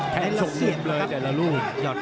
แค้นชกอุ่มเลยแต่ละลู